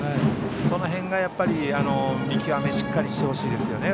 その辺が、見極めをしっかりしてほしいですね。